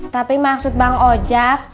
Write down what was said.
tapi maksud bang ojak